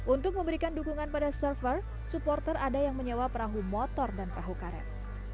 untuk memberikan dukungan pada server supporter ada yang menyewa perahu motor dan perahu karet